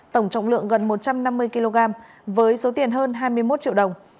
tổng trọng lượng gần một trăm năm mươi kg với số tiền hơn hai mươi một triệu đồng